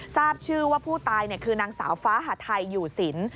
ทราบชื่อว่าผู้ตายคือนางสาวฟ้าหาไทยอยู่สิน